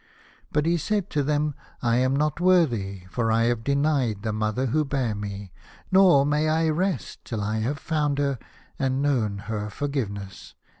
But he said to them, " I am not worthy, for I have denied the mother who bare me, nor may I rest till I have found her, and known her forgiveness.